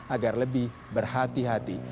agar lebih berhati hati